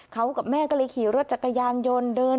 เขากับแม่ก็เลยขี่รถจักรยานยนต์เดิน